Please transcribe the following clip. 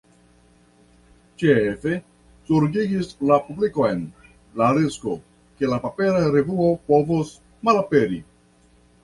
Ĉefe zorgigis la publikon la risko, ke la papera revuo povos malaperi.